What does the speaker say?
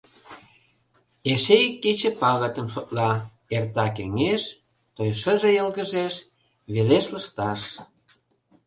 Эше ик кече пагытым шотла: эрта кеҥеж, той шыже йылгыжеш, велеш лышташ.